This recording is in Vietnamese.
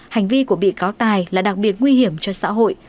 hành vi của bị cáo tài là đặc biệt nguy hiểm cho xã hội